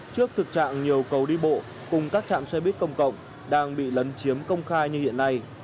trước thực trạng nhiều cầu đi bộ cùng các trạm xe buýt công cộng đang bị lấn chiếm công khai như hiện nay